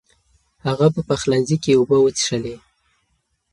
هغه په پخلنځي کې اوبه وڅښلې.